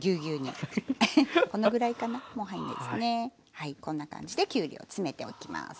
はいこんな感じできゅうりを詰めておきます。